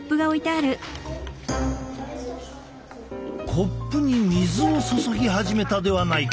コップに水を注ぎ始めたではないか。